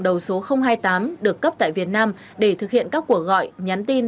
đầu số hai mươi tám được cấp tại việt nam để thực hiện các cuộc gọi nhắn tin